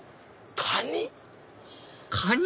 カニ！